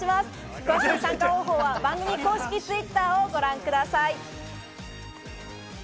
詳しい参加方法は番組公式Ｔｗｉｔｔｅｒをご覧ください。